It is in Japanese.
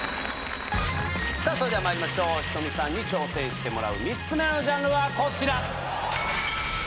さぁそれではまいりましょうｈｉｔｏｍｉさんに挑戦してもらう３つ目のジャンルはこちら！